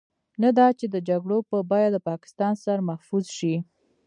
نه دا چې د جګړو په بيه د پاکستان سر محفوظ شي.